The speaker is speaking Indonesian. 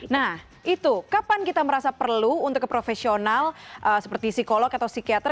nah itu kapan kita merasa perlu untuk ke profesional seperti psikolog atau psikiater